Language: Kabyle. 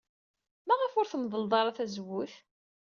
Maɣef ur tmeddled ara tazewwut?